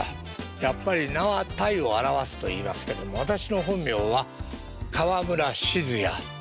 やっぱり「名は体を表す」と言いますけども私の本名は河村靜也。